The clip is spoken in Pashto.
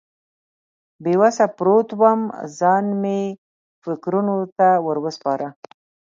بې وسه پروت وم، ځان مې فکرونو ته ور وسپاره.